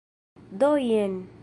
Do jen.